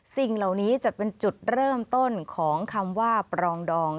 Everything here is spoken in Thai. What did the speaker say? สิ่งเหล่านี้จะเป็นจุดเริ่มต้นของคำว่าปรองดอง